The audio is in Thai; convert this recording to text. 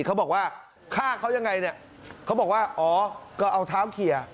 เขาบอกว่าฆ่าเขายังไงเนี่ยเขาบอกว่าอ๋อก็เอาเท้าเคลียร์